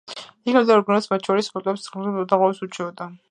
იგი რამდენიმე ორგანოს, მათ შორის ფილტვების ფუნქციონირების დარღვევას უჩიოდა.